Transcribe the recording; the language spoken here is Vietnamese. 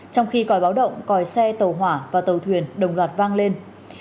trong khi còi báo động còi xe tàu hỏa và tàu thuyền đồng loạt vang lên